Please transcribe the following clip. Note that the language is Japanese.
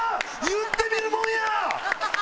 言ってみるもんや！